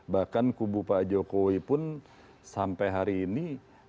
bahkan kubu pak jokowi pun sampai hari ini